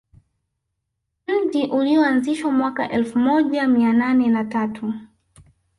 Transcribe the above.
Mji ulioanzishwa mwaka elfu moja mia nane na tatu